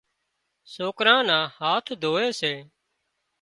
سوڪران نا هاٿ ڌووي سي